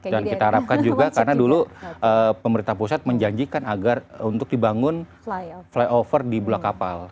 dan kita harapkan juga karena dulu pemerintah pusat menjanjikan agar untuk dibangun flyover di bulan kapal